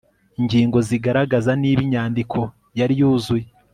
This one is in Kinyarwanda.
ingingo zigaragaza niba inyandiko yari yuzuye